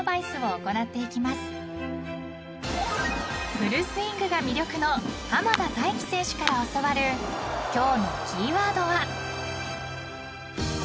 ［フルスイングが魅力の濱田太貴選手から教わる今日のキーワードは？］